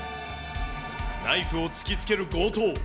ナイフを突きつける強盗。